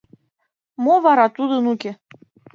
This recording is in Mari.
— Мо вара тудын уке?